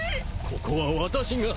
ここは私が。